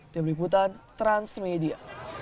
di berikutan transmedia